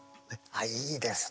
いいですね。